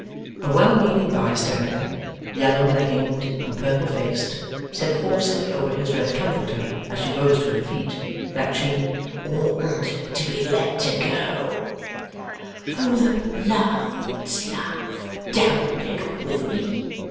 A well meaning bystander, yellow legginged and purple faced, said hoarsely over his red comforter, as she rose to her feet, that she 'oughtn't to be let to go'. 'For the Lord's love don't meddle with me!